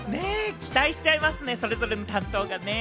期待しちゃいますよね、それぞれの担当がね。